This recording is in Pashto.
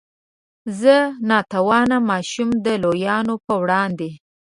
زه نا توانه ماشوم د لویانو په وړاندې.